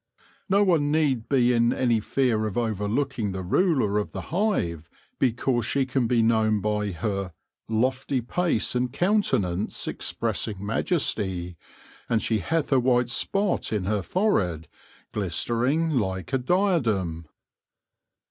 No one need be in any fear of overlooking the ruler of the hive because she can be known by her " lofty pace and countenance expressing Majesty, and she hath a white spot in her forehead glistering like a Diadem.'